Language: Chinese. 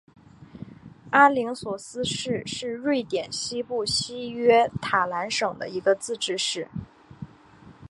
阿灵索斯市是瑞典西部西约塔兰省的一个自治市。